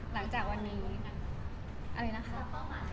หลังจากวันนี้อะไรนะคะ